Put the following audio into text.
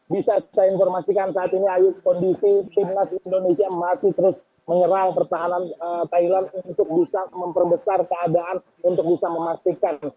bisa saya informasikan saat ini ayu kondisi timnas indonesia masih terus menyerang pertahanan thailand untuk bisa memperbesar keadaan untuk bisa memastikan